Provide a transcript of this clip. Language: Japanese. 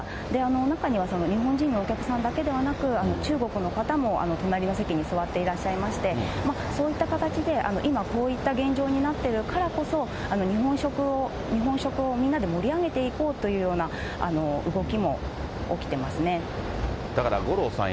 中には日本人のお客さんだけではなく、中国の方も隣の席に座っていらっしゃいまして、そういった形で、今こういった現状になっているからこそ、日本食を、日本食をみんなで盛り上げていこうというような動きも起きてますだから五郎さん